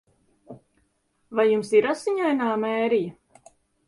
Vai jums ir Asiņainā Mērija?